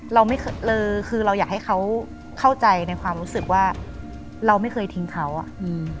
เราไม่เคยคือเราอยากให้เขาเข้าใจในความรู้สึกว่าเราไม่เคยทิ้งเขาอ่ะอืม